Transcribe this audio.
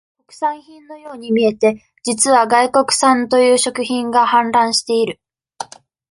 国産品のように見えて、実は外国産という食品が、氾濫している。